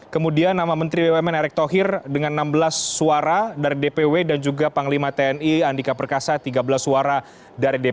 kemudian nama menteri bumn erick thohir dengan enam belas suara dari dpw dan juga panglima tni andika perkasa tiga belas suara